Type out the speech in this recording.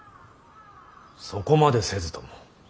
そこまでせずとも。